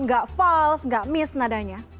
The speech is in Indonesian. gak false gak miss nadanya